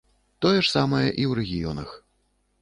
Тое ж самае і ў рэгіёнах.